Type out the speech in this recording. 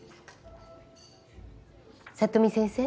里見先生。